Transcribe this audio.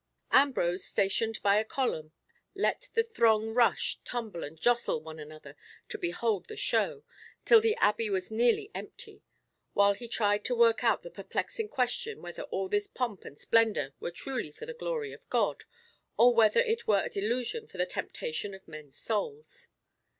Ambrose, stationed by a column, let the throng rush, tumble, and jostle one another to behold the show, till the Abbey was nearly empty, while he tried to work out the perplexing question whether all this pomp and splendour were truly for the glory of God, or whether it were a delusion for the temptation of men's souls.